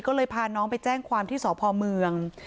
ก็เลยพาน้องไปแจ้งความที่สพเมือง